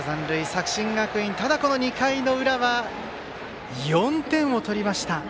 作新学院、ただ２回の裏は４点を取りました。